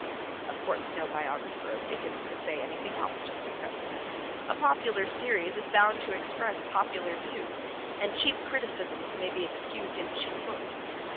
Of course, no biographer of Dickens could say anything else, just at present. A popular series is bound to express popular views, and cheap criticisms may be excused in cheap books.